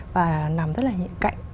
và nằm rất là nhịn cạnh